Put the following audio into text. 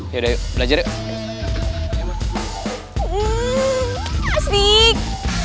yaudah yuk belajar yuk